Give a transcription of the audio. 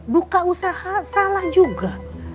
buka usaha salah juga